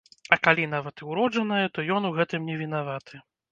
А калі нават і ўроджаная, то ён у гэтым не вінаваты.